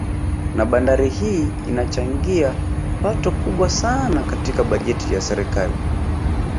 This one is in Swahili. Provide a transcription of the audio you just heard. Na bandari hii inachangia pato kubwa sana katika bajeti ya serikali